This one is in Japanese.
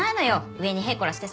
上にへいこらしてさ。